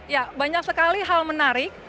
ya banyak sekali hal menarik